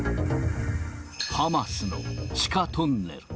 ハマスの地下トンネル。